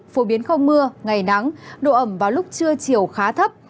phổ biến không mưa ngày nắng độ ẩm vào lúc trưa chiều khá thấp